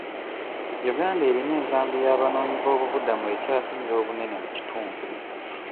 Uganda erina enkambi y'abanoonyi b'obubudamu ekyasinze obunene mu kitundu.